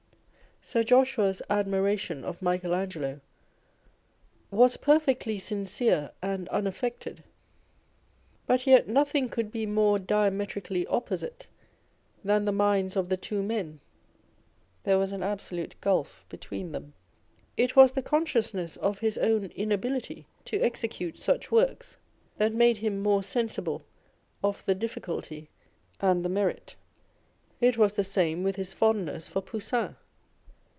Sir Joshua's admiration of Michael Angelo was perfectly sincere and unaffected ; but yet nothing could be more diametrically opposite than the minds of the two men â€" there was an absolute gulph between them. It was the consciousness of his own inability to execute such works, that made him more sensible of the difficulty and the merit. It was the same with his fondness for Poussin.